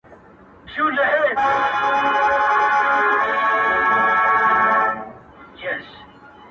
هم بېحده رشوت خوره هم ظالم وو-